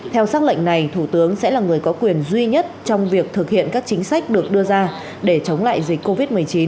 theo xác lệnh này thủ tướng sẽ là người có quyền duy nhất trong việc thực hiện các chính sách được đưa ra để chống lại dịch covid một mươi chín